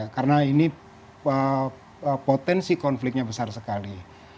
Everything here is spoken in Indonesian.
karena ini potensi konfliknya besar sekali